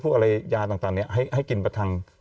พวกอะไรยาต่างนี้ให้กินประทัง